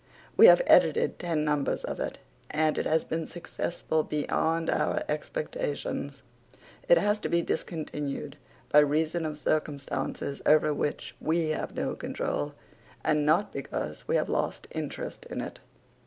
We have edited ten numbers of it and it has been successful beyond our expectations. It has to be discontinued by reason of circumstances over which we have no control and not because we have lost interest in it.